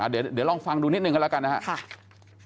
เดี๋ยวลองฟังดูนิดหนึ่งกันละกันนะครับค่ะคุณแซนกำลังไลฟ์